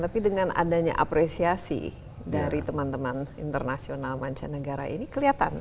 tapi dengan adanya apresiasi dari teman teman internasional mancanegara ini kelihatan